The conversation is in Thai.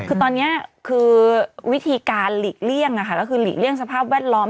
คือตอนนี้คือวิธีการหลีกเลี่ยงก็คือหลีกเลี่ยงสภาพแวดล้อม